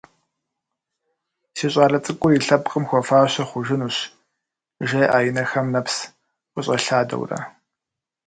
Си щӏалэ цӏыкӏур и лъэпкъым хуэфащэ хъужынущ, – жеӏэ, и нэхэм нэпс къыщӏэлъадэурэ.